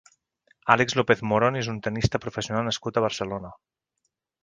Álex López Morón és un tennista professional nascut a Barcelona.